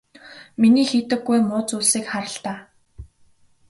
Миний хийдэггүй муу зүйлсийг хар л даа.